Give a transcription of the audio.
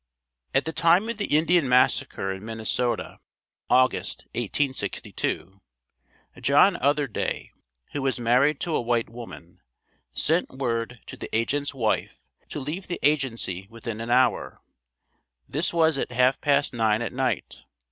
At the time of the Indian massacre in Minnesota, August, 1862, John Otherday, who was married to a white woman, sent word to the agent's wife to leave the Agency within an hour. This was at half past nine at night.